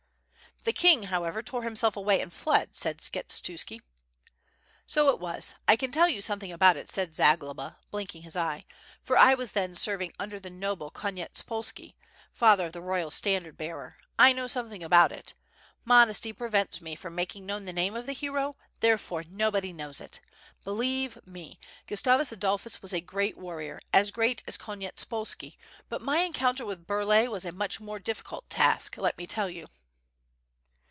"The king, however, tore himself away and fled," said Skshetuski. "So it was. I can tell you something about it,' said Za globa, blinking his eye, "for I was then serving under the noble Konyetspolski, father of the royal standard bearer, I know something about it. Modesty prevents me from making known the name of the hero, therefore nobody knows it. Believe me, (rustavus Adolphus was a great warrior, as great as Konyetspolski, but my encounter with Burlay was a much more difficult task, let me tell you."